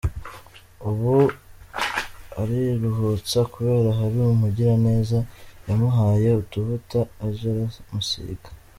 Ubu ariruhutsa kubera hari umugiraneza yamuhaye utuvuta aja aramusiga.